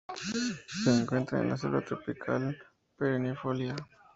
Se encuentra en la selva tropical perennifolia.